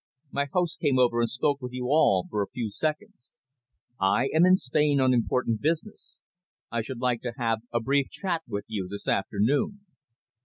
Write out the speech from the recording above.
My host came over and spoke with you all for a few seconds. I am in Spain on important business. I should like to have a brief chat with you this afternoon."